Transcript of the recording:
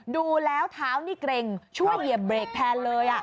ดูแล้วเท้านี่เกร็งช่วยเย็บเท้าเลย